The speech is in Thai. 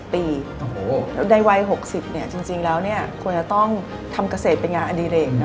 ในวัย๖๐จริงแล้วควรจะต้องทำเกษตรเป็นงานอดิเรก